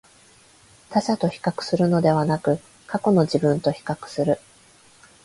他者と比較するのではなく、過去の自分と比較する